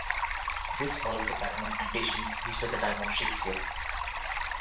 This follows the pattern of temptation used at the time of Shakespeare.